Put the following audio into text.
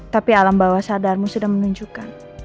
tapi alam bawah sadarmu sudah menunjukkan